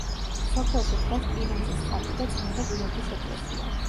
სოფელში დგას პირიმზის ხატი და წმინდა გიორგის ეკლესია.